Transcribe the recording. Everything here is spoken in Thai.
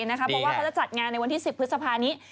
เพราะว่าเขาจะจัดงานในวันที่๑๐พฤษภานี้